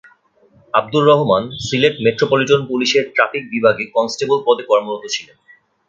Abdur Rahman Sylhet metropolitan পুলিশের traffic বিভাগে constable পদে কর্মরত ছিলেন।